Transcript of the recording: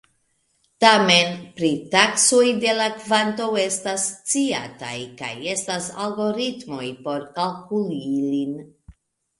Tamen, pritaksoj de la kvanto estas sciataj, kaj estas algoritmoj por kalkuli ilin.